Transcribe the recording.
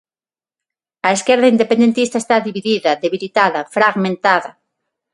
A esquerda independentista está dividida, debilitada, fragmentada.